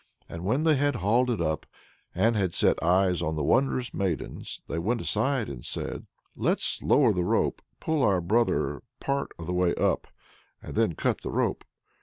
And when they had hauled it up, and had set eyes on the wondrous maidens, they went aside and said: "Let's lower the rope, pull our brother part of the way up, and then cut the rope.